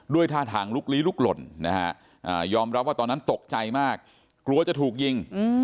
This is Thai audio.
ท่าทางลุกลี้ลุกหล่นนะฮะยอมรับว่าตอนนั้นตกใจมากกลัวจะถูกยิง